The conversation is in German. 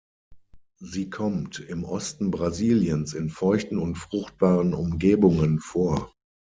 Sie kommt im Osten Brasiliens in feuchten und fruchtbaren Umgebungen vor.